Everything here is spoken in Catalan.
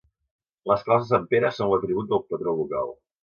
Les claus de Sant Pere són l'atribut del patró local.